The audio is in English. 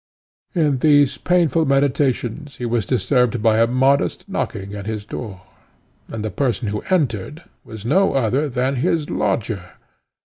In these painful meditations he was disturbed by a modest knocking at his door, and the person who entered was no other than his lodger.